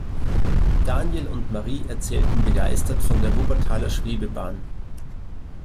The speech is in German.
Daniel und Marie erzählten begeistert von der Wuppertaler Schwebebahn.